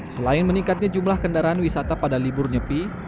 selain meningkatnya jumlah kendaraan wisata pada liburnya pi